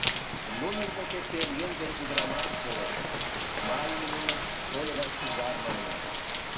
Нунын деке пӧръеҥ ден ӱдырамаш пурышт, Маи нуным шольо да шӱжар мане.